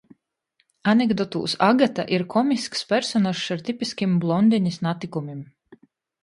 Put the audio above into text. Anekdotūs Agata ir komisks personažs ar tipiskim „blondinis natikumim”.